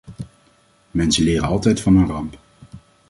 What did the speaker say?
Mensen leren altijd van een ramp.